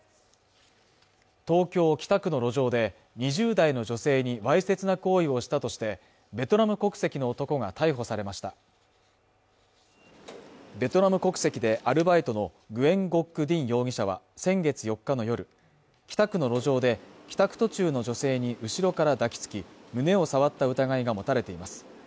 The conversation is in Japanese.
東京北区の路上で２０代の女性にわいせつな行為をしたとしてベトナム国籍の男が逮捕されましたベトナム国籍でアルバイトのグエン・ゴック・ディン容疑者は先月４日の夜北区の路上で帰宅途中の女性に後ろから抱きつき胸を触った疑いが持たれています